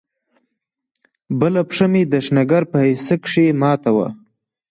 بله پښه مې د ښنگر په حصه کښې ماته وه.